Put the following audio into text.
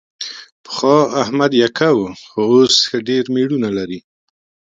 پخوا احمد یکه و، خو اوس ښه ډېر مېړونه لري.